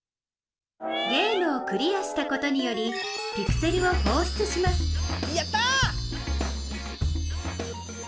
ゲームをクリアしたことによりピクセルをほうしゅつしますやった！